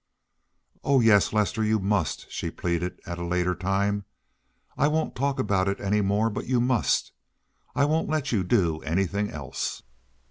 "Oh yes, Lester, you must," she pleaded, at a later time. "I won't talk about it any more, but you must. I won't let you do anything else."